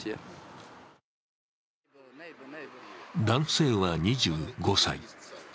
男性は２５歳。